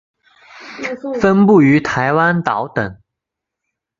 分布于台湾岛等。